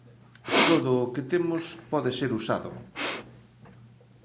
Todo o que temos pode ser usado.